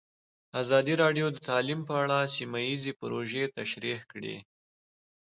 ازادي راډیو د تعلیم په اړه سیمه ییزې پروژې تشریح کړې.